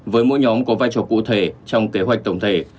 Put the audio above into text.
với mỗi nhóm có vai trò cụ thể trong kế hoạch tổng thể